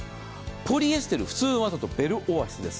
ポリエステル、普通の綿とベルオアシスです。